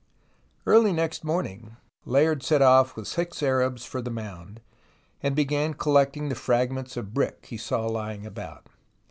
Early next morning Layard set off with six Arabs for the mound, and began collecting the fragments of brick he saw lying about.